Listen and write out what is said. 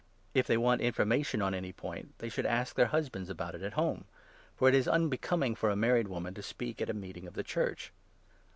If they want information on any 35 point, they should ask their husbands about it at home ; for it is unbecoming for a married woman to speak at a meeting of the Church.